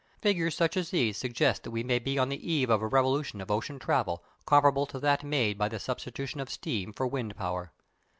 Figures such as these suggest that we may be on the eve of a revolution of ocean travel comparable to that made by the substitution of steam for wind power.